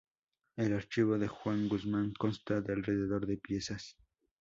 El archivo de Juan Guzmán consta de alrededor de piezas.